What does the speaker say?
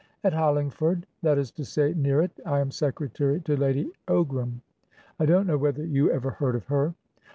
"At Hollingford; that is to say, near it. I am secretary to Lady OgramI don't know whether you ever heard of her?"